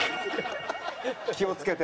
気をつけて。